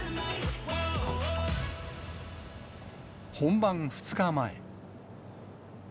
本番２日前。